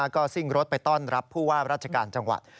ก็ซิ่งรถไปต้อนรับผู้ว่าราชการจังหวัด